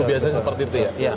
biasanya seperti itu ya